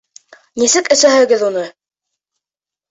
Нисек әсәһегеҙ уны?